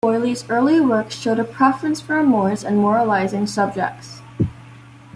Boilly's early works showed a preference for amorous and moralising subjects.